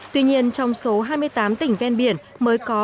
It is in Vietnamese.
tuy nhiên trong số hai mươi tám tỉnh ven biển mới có